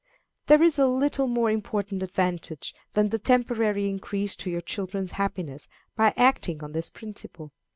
There is a still more important advantage than the temporary increase to your children's happiness by acting on this principle.